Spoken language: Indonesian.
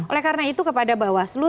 oleh karena itu kepada bawaslu